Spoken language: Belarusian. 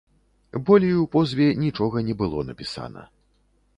Болей у позве нічога не было напісана.